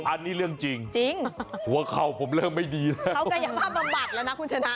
อันนี้เรื่องจริงหัวเข่าผมเรื่องไม่ดีแล้วคุณชนะ